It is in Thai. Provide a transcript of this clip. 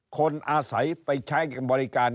คนอาศัยไปใช้บริการ